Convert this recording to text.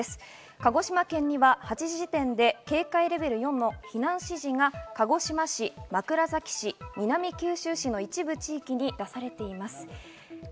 鹿児島県には８時時点で警戒レベル４の避難指示が鹿児島市、枕崎市、南九州市の一部地域に出されています。